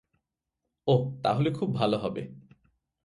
অহ, তাহলে খুব ভালো হবে।